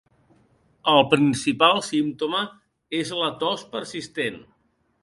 El principal símptoma és la tos persistent.